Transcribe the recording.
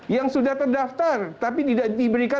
yang sudah terdaftar tapi tidak diberikan c enam